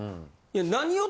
いや「何を？」